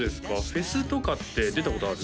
フェスとかって出たことある？